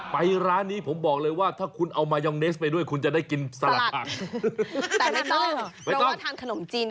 ไปร้านนี้ผมบอกเลยว่าถ้าคุณเอามายองเนสไปด้วยคุณจะได้กินสลัดผัก